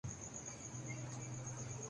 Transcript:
بیماری کیا ہے؟